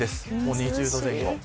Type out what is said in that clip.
２０度前後。